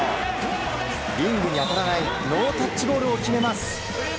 リングに当たらないノータッチゴールを決めます。